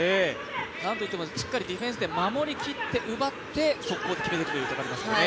なんといってもしっかりディフェンスで守り切って奪って、速攻で決めてくるというところですね。